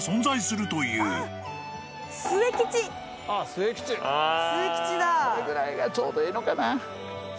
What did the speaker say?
それぐらいがちょうどいいのかな。